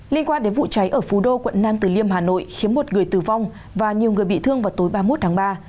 liên quan đến vụ cháy ở phú đô quận nam từ liêm hà nội khiến một người tử vong và nhiều người bị thương vào tối ba mươi một tháng ba